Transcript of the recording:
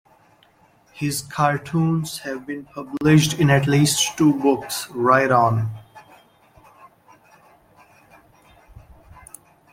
His cartoons have been published in at least two books: Wright On!